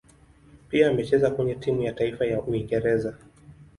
Pia amecheza kwenye timu ya taifa ya Uingereza.